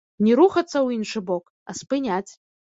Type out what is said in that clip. Не рухацца ў іншы бок, а спыняць.